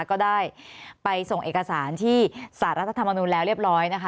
ก็ได้ไปส่งเอกสารที่สารรัฐธรรมนุนแล้วเรียบร้อยนะคะ